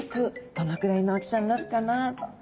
どのくらいの大きさになるかなと。